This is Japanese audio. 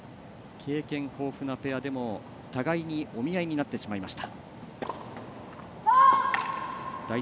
経験豊富なペアでも互いにお見合いになってしまいました。